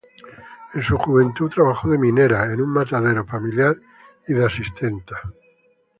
En su juventud trabajó de minera, en un matadero familiar y de asistenta.